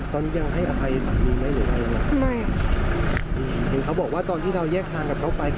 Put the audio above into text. ตอนนี้ยังให้อภัยสามีงได้หรือไม่ยังไง